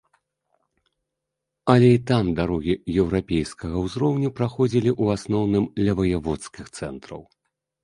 Але і там дарогі еўрапейскага ўзроўню праходзілі ў асноўным ля ваяводскіх цэнтраў.